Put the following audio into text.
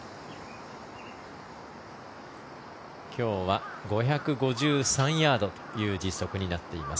今日は５５３ヤードという実測になっています。